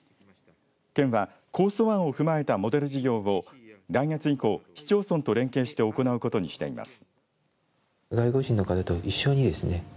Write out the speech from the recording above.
県は構想案を踏まえたモデル事業を来月以降、市町村と連携して行うことにしています。